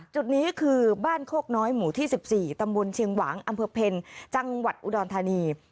จุดนี้คือบ้านโฆกน้อยหมู่ที่๑๔ตเชียงหวังอเพลงจอุดรธานี